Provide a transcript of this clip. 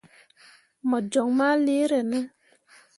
Mo joŋ ma leere ne ?